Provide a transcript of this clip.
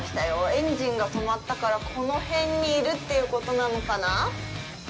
エンジンがとまったからこの辺にいるっていうことなのかな？